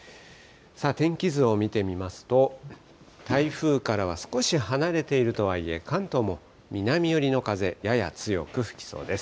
天気図を見てみますと、台風からは少し離れているとはいえ、関東も南寄りの風、やや強く吹きそうです。